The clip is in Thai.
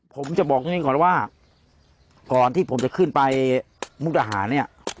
ผมจะบอกให้ก่อนว่าก่อนที่ผมจะขึ้นไปมุกดาหารเนี่ย